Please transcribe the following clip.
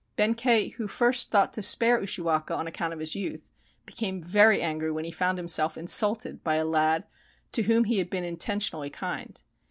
Benkei, who had first thought to spare Ushiwaka on account of his youth, became very angry when he found himself insulted by a lad to whom he had been inten tionally kind.